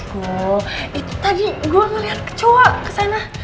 aduh itu tadi gue ngeliat kecoa kesana